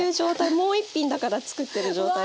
もう１品だから作ってる状態ですね。